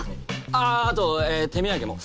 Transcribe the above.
ああと手土産も。